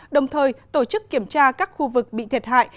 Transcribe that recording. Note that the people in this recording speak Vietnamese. đồng thời tổ chức kiểm tra các khu vực bị thiệt hại